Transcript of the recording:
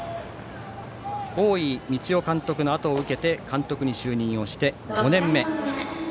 大井道夫監督のあとを受けて監督に就任して５年目。